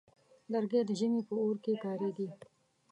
لرګی د ژمي په اور کې کارېږي.